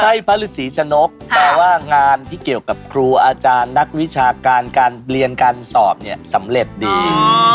ใช่พระฤษีชะนกแปลว่างานที่เกี่ยวกับครูอาจารย์นักวิชาการการเรียนการสอบเนี่ยสำเร็จดี